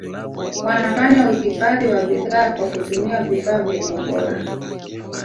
wanafanya uhifadhi wa bidhaa kwa kutumia vifaa vyenye ubora